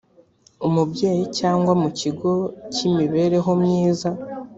umubyeyi cyangwa mu kigo cy imibereho myiza